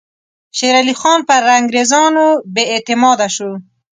شېر علي خان پر انګریزانو بې اعتماده شو.